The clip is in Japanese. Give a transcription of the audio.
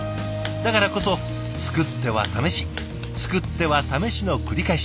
だからこそ作っては試し作っては試しの繰り返し。